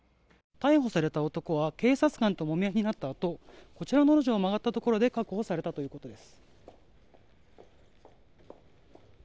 逮捕された男は警察官ともみあいになったあとこちらの路地を曲がったところで確保されたといいます。